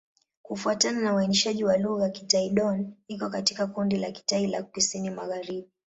Kufuatana na uainishaji wa lugha, Kitai-Dón iko katika kundi la Kitai ya Kusini-Magharibi.